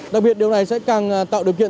đặc biệt điều này sẽ càng tạo điều kiện